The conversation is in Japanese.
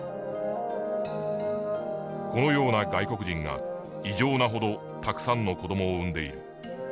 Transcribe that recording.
このような外国人が異常なほどたくさんの子どもを産んでいる。